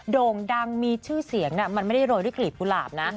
โด่งดังมีชื่อเสียงมันไม่ได้โรยด้วยกลีบกุหลาบนะ